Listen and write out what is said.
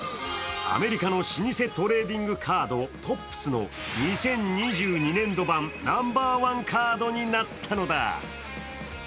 アメリカの老舗トレーディングカード、Ｔｏｐｐｓの２０２２年度版、ナンバーワンカードになったのだ。